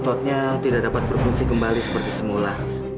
ototnya tidak dapat berfungsi kembali seperti semula